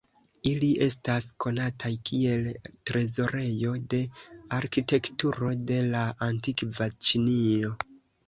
Ili estas konataj kiel trezorejo de arkitekturo de la antikva Ĉinio.